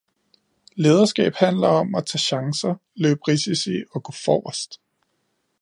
Lederskab handler om at tage chancer, løbe risici og gå forrest.